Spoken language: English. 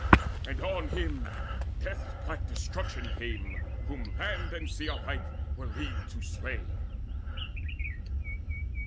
And so on him death's black destruction came Whom land and sea alike were leagued to slay.